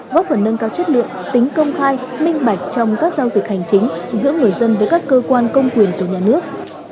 góp phần nâng cao chất lượng tính công khai minh bạch trong các giao dịch hành chính giữa người dân với các cơ quan công quyền của nhà nước